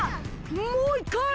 もういっかい！